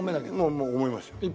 もう思いましたよ。